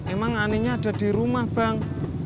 emang anehnya ada di rumah bang